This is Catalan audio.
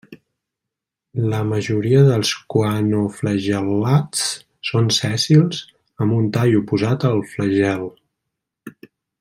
La majoria de coanoflagel·lats són sèssils amb un tall oposat al flagel.